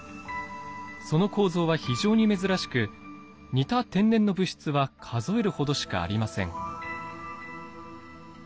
その構造は非常に珍しく似た天然の物質は数えるほどしかありません。